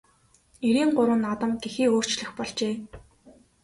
Эрийн гурван наадам гэхээ өөрчлөх болжээ.